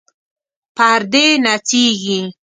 پردې نڅیږي